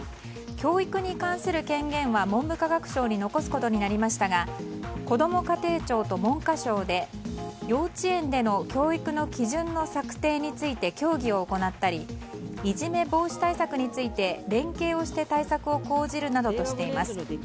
教育に関する権限は文部科学省に残すことになりましたが残すことになりましたがこども家庭庁と文科省で幼稚園での教育の基準の策定について協議を行ったりいじめ防止対策について連携をして対策を講じるなどとしています。